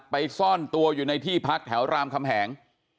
ซ่อนตัวอยู่ในที่พักแถวรามคำแหง